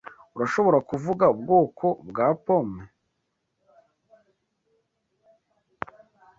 Urashobora kuvuga ubwoko bwa pome?